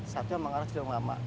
satu yang mengarah ke ciliwung lama